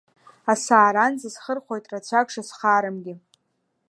Асааранӡа схырхәоит рацәак шысхарамгьы.